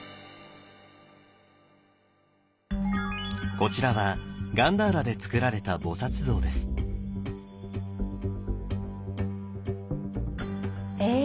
こちらはガンダーラでつくられた菩像です。え！